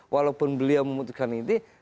walaupun beliau memutuskan ini